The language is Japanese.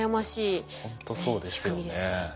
ほんとそうですよね。